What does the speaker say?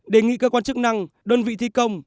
đề nghị cơ quan chức năng đơn vị thi công